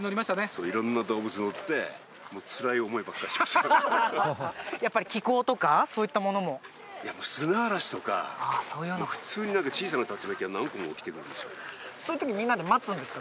そう色んな動物乗ってやっぱり気候とかそういったものもやっぱ砂嵐とか普通に何か小さな竜巻が何個も起きてるんですよそういう時みんなで待つんですか？